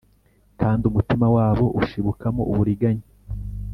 kandi umutima wabo ushibukamo uburiganya”